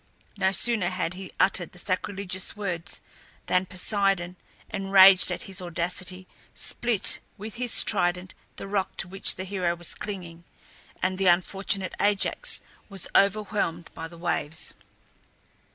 No sooner had he uttered the sacrilegious words than Poseidon, enraged at his audacity, split with his trident the rock to which the hero was clinging, and the unfortunate Ajax was overwhelmed by the waves.